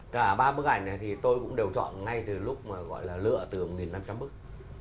cả ba bức ảnh này thì tôi cũng đều chọn ngay từ lúc mà gọi là lựa từ một nghìn năm trăm linh bức